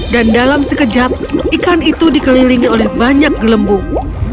dan dalam sekejap ikan itu dikelilingi oleh banyak gelembung